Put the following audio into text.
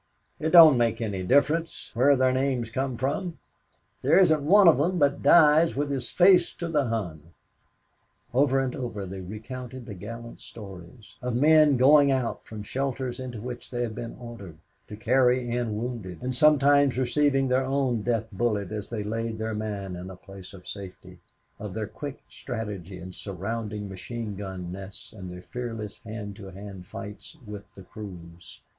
It don't make any difference where their names come from, there isn't one of them but dies with his face to the Hun." Over and over they recounted the gallant stories of men going out from shelters into which they had been ordered, to carry in wounded, and sometimes receiving their own death bullet as they laid their man in a place of safety of their quick strategy in surrounding machine gun nests and their fearless hand to hand fights with the crews.